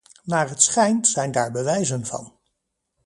Naar het schijnt, zijn daar bewijzen van.